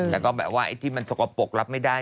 แล้วก็แบบว่าไอ้ที่มันสกปรกรับไม่ได้